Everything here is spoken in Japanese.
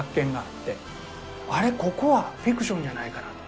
ここはフィクションじゃないかなとか。